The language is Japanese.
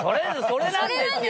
それなんですよ！